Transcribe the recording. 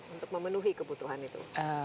untuk memenuhi kebutuhan itu